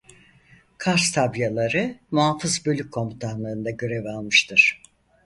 Kars Tabyaları Muhafız Bölük Komutanlığında görev almıştır.